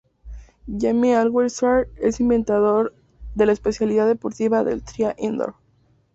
Jaime Alguersuari es el inventor de la especialidad deportiva del Trial Indoor.